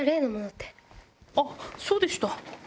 あっそうでした！